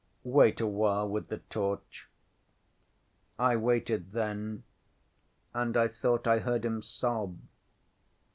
Wait awhile with the torch. ŌĆØ ŌĆśI waited then, and I thought I heard him sob.